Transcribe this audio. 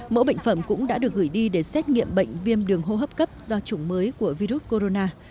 mẫu bệnh phẩm cũng đã được gửi đi để xét nghiệm bệnh viêm đường hô hấp cấp do chủng mới của virus corona